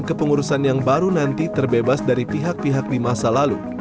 kepengurusan yang baru nanti terbebas dari pihak pihak di masa lalu